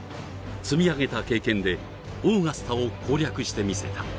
積み上げた経験でオーガスタを攻略してみせた。